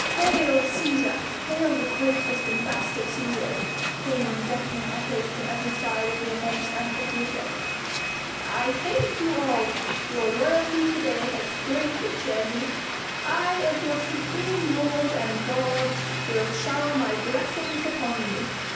"Hail Cæsar! Hail the greatest and best of Cæsars!" came in deafening echoes from every side of the immense Amphitheatre. "I thank you all! Your loyalty to day has greatly cheered me. I as your supreme lord and god will shower my blessings upon you.